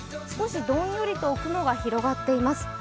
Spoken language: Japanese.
少しどんよりと雲が広がっています。